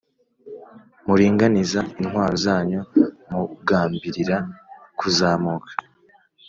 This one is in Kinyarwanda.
Muringaniza intwaro zanyu mugambirira kuzamuka